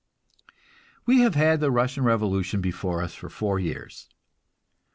We have had the Russian revolution before us for four years.